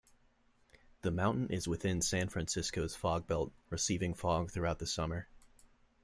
The mountain is within San Francisco's fog belt, receiving fog throughout the summer.